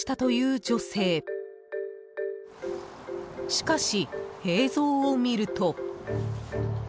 ［しかし映像を見ると］